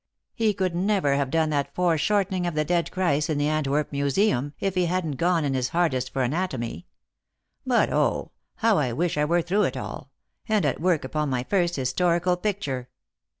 " He could never have done that foreshortening of the dead Christ in the Antwerp Musuem if he hadn't gone in his hardest for anatomy. But, O, how I wish I were through it all, and at work upon my first historical picture